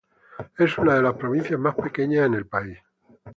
Es una de las provincias más pequeñas en el país.